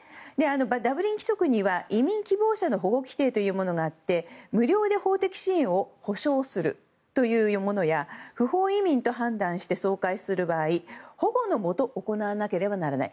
ダブリン規則には移民希望者の保護規定があって無料で法的支援を保証するというものや不法移民と判断して送還する場合保護のもと行わなければならない。